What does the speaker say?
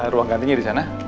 ruang gantinya di sana